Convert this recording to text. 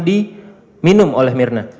diminum oleh mirna